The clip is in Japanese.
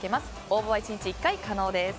応募は１日１回可能です。